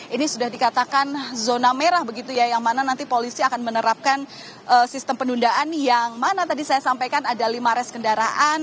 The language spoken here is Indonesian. ini sudah dikatakan zona merah begitu ya yang mana nanti polisi akan menerapkan sistem penundaan yang mana tadi saya sampaikan ada lima res kendaraan